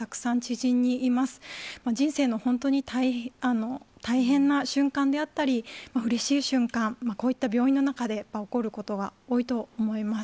人生の本当に大変な瞬間であったり、うれしい瞬間、こういった病院の中で起こることが多いと思います。